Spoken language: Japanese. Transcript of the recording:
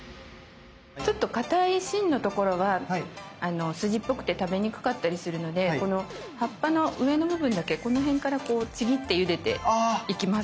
ちょっとかたい芯のところはスジっぽくて食べにくかったりするのでこの葉っぱの上の部分だけこの辺からこうちぎってゆでていきます。